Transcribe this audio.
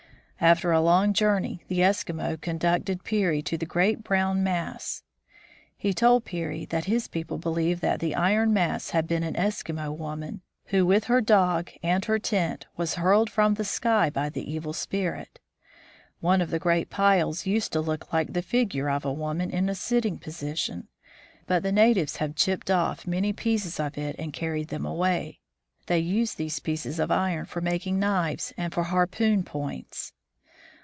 After a long journey the Eskimo conducted Peary to the great brown mass. He told Peary that his people believed that the iron mass had been an Eskimo woman, who with her dog and her tent was hurled from the sky by the Evil Spirit. One of the great piles used to look like the figure of a woman in a sitting position, but the natives had chipped off many 146 THE FROZEN NORTH pieces of it and carried them away. They used these pieces of iron for making knives and for harpoon points.